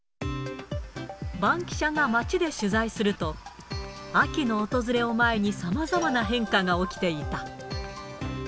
バンキシャが街で取材すると、秋の訪れを前に、さまざまな変化が起きていた。